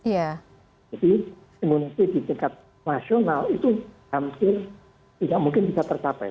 jadi herd immunity di tingkat nasional itu hampir tidak mungkin bisa tercapai